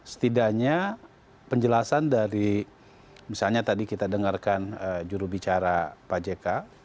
setidaknya penjelasan dari misalnya tadi kita dengarkan jurubicara pak jk